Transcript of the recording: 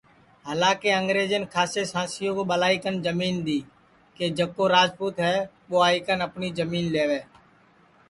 ہالا کے انگرجین کھاسے سانسیں کُو ٻلائی کن جمین دؔی کہ جکو راجپوت ہے ٻو آئی کن اپٹؔی جمین لیوئے